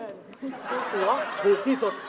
เจ้าตัวถูกที่สุด